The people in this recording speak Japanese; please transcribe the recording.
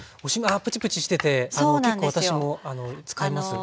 ぷちぷちしてて結構私も使います。